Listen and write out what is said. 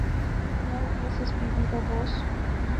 ¿no hubieses vivido vos?